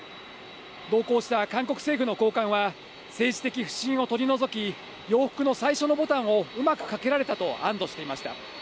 同行した韓国政府の高官は、政治的不信を取り除き、洋服の最初のボタンをうまくかけられたと安どしていました。